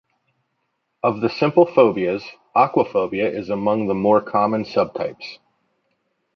Of the simple phobias, aquaphobia is among the more common subtypes.